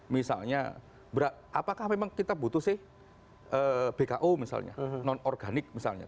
misalnya apakah memang kita butuh sih bko misalnya non organik misalnya